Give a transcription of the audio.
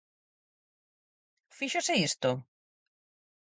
¿Fíxose isto?